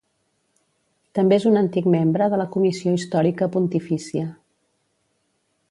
També és un antic membre de la Comissió Històrica Pontifícia.